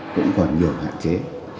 cũng còn nhiều hạn chế